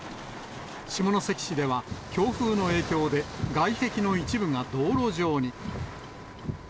下関市では、強風の影響で、外壁の一部が道路上に。